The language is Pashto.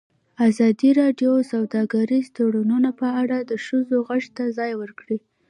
ازادي راډیو د سوداګریز تړونونه په اړه د ښځو غږ ته ځای ورکړی.